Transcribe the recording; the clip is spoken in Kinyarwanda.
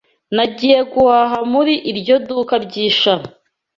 Nagiye guhaha muri iryo duka ryishami.